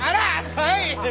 はい！